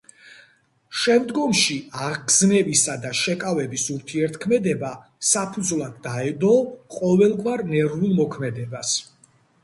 შემდგომში აღგზნებისა და შეკავების ურთიერთმოქმედება საფუძვლად დაედო ყოველგვარ ნერვულ მოქმედებას.